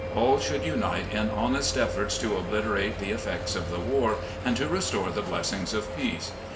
All should unite in honest efforts to obliterate the effects of the war and to restore the blessings of peace.